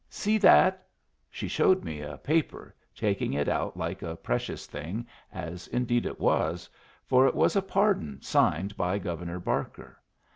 See that!" She showed me a paper, taking it out like a precious thing, as indeed it was; for it was a pardon signed by Governor Barker.